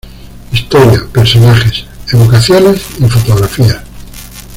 Historia, Personajes, Evocaciones y Fotografías".